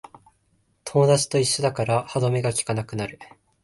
友達と一緒だから歯止めがきかなくなる